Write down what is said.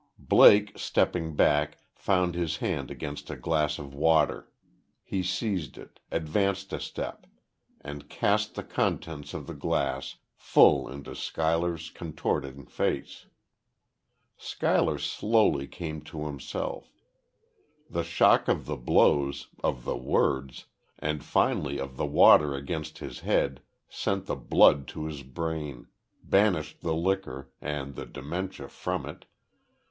Blake, stepping back, found his hand against a glass of water. He seized it advanced a step and cast the contents of the glass full into Schuyler's contorting face.... Schuyler slowly came to himself. The shock of the blows of the words and finally of the water against his head, sent the blood to his brain banished the liquor, and the dementia, from it....